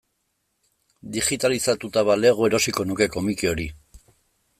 Digitalizatuta balego erosiko nuke komiki hori.